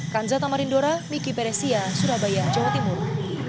kanza tamarindora miki peresia surabaya jawa timur